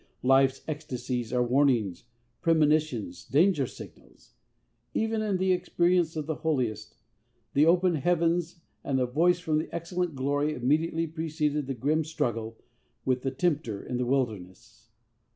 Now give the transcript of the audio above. Life's ecstasies are warnings, premonitions, danger signals. Even in the experience of the Holiest, the open heavens and the voice from the excellent glory immediately preceded the grim struggle with the tempter in the wilderness.